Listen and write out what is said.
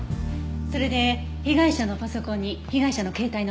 それで被害者のパソコンに被害者の携帯のデータはあった？